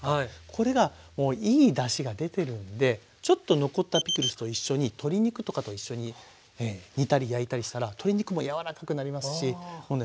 これがいいだしが出てるんでちょっ残ったピクルスと一緒に鶏肉とかと一緒に煮たり焼いたりしたら鶏肉も柔らかくなりますしもうね